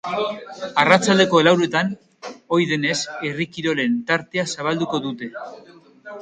Arratsaldeko lauretan, ohi denez, herri kirolen tartea zabalduko dute.